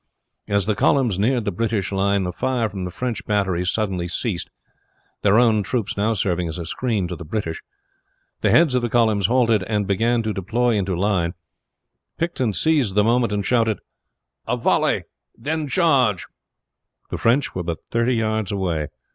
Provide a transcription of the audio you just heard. As the columns neared the British line the fire from the French batteries suddenly ceased, their own troops now serving as a screen to the British. The heads of the columns halted and began to deploy into line; Picton seized the moment, and shouted "A volley, and then charge!" The French were but thirty yards away.